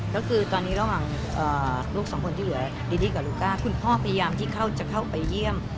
ก็คือตอนนี้ระหว่างลูกสองคนที่เหลือดีดี้กับลูก้าคุณพ่อพยายามที่จะเข้าไปเยี่ยม